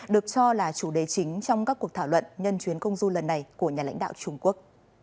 được cho là chủ đề chính trong các cuộc thảo luận nhân chuyến công du lần này của nhà lãnh đạo trung quốc